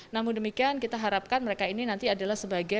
namun demikian kita harapkan mereka ini nanti adalah sebagai